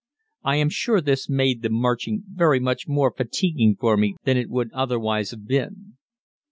I am sure this made the marching very much more fatiguing for me than it would otherwise have been.